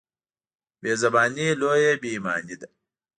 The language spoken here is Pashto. بېزباني لویه بېايماني ده.